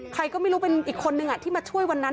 ใครก็ไม่รู้เป็นอีกคนนึงที่มาช่วยวันนั้น